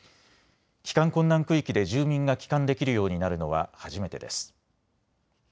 帰還困難区域で住民が帰還できるようになるのは初めてです。